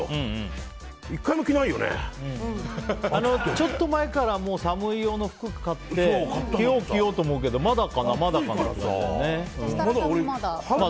ちょっと前から寒い用の服を買って着よう着ようと思うけどまだかな、まだかなってね。